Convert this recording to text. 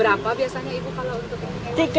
tiga puluh sampai ya ibu ya